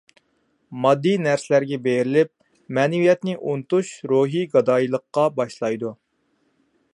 ماددىي نەرسىلەرگە بېرىلىپ مەنىۋىيەتنى ئۇنتۇش روھىي گادايلىققا باشلايدۇ.